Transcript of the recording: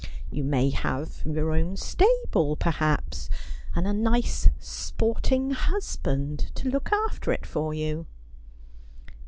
'You may have your own stable, perhaps, and a nice sporting husband to look after it for you.'